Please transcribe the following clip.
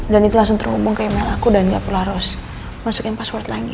dan itu langsung terhubung ke email aku dan gak perlu harus masukin password lagi